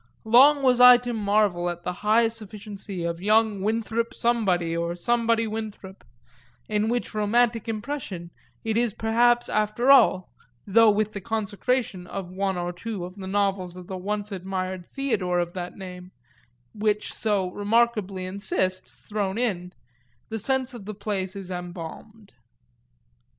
Long was I to marvel at the high sufficiency of young Winthrop Somebody or Somebody Winthrop in which romantic impression it is perhaps after all (though with the consecration of one or two of the novels of the once admired Theodore of that name, which so remarkably insists, thrown in) the sense of the place is embalmed.